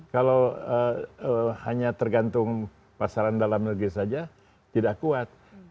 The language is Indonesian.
kalau hanya tergantung pasaran dalam negeri saja tidak kuat